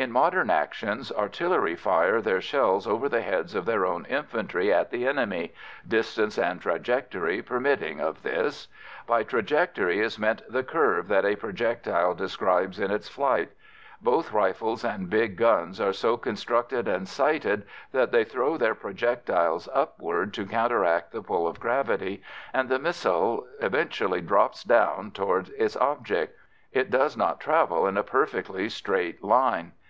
In modern actions, artillery fire their shells over the heads of their own infantry at the enemy, distance and trajectory permitting of this. By trajectory is meant the curve that a projectile describes in its flight; both rifles and big guns are so constructed and sighted that they throw their projectiles upward to counteract the pull of gravity, and the missile eventually drops down toward its object it does not travel in a perfectly straight line.